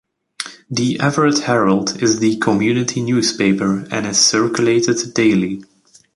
The Everett Herald is the community newspaper and is circulated daily.